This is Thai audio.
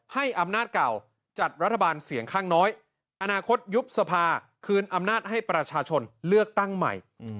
ให้อำนาจเก่าจัดรัฐบาลเสียงข้างน้อยอนาคตยุบสภาคืนอำนาจให้ประชาชนเลือกตั้งใหม่